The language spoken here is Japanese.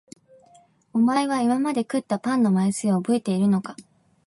お前は今まで食ったパンの枚数を覚えているのか？